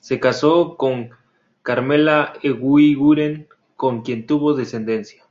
Se casó con "Carmela Eguiguren", con quien tuvo descendencia.